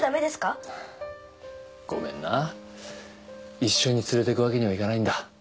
ごめんな一緒に連れていくわけにはいかないんだ